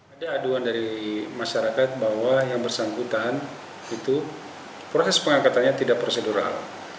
ada aduan dari masyarakat bahwa yang bersangkutan itu proses pengangkatannya tidak prosedural